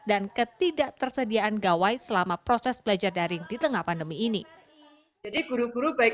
dan ketidak tersediaan gawai selama proses belajar daring di tengah pandemi ini jadi guru guru baik